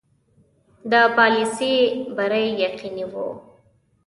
د پالیسي بری یقیني وو.